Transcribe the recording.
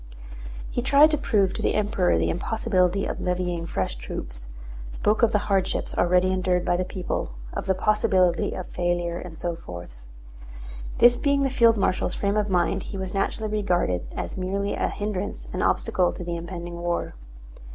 He tried to prove to the Emperor the impossibility of levying fresh troops, spoke of the hardships already endured by the people, of the possibility of failure and so forth. This being the field marshal's frame of mind he was naturally regarded as merely a hindrance and obstacle to the impending war.